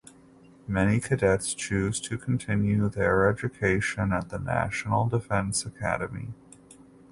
Many cadets chose to continue their education at the National Defense Academy.